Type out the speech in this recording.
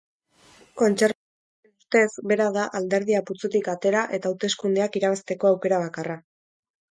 Kontserbadoreen ustez, bera da alderdia putzutik atera eta hauteskundeak irabazteko aukera bakarra.